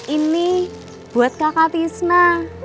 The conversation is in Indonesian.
ini buat kakak fisna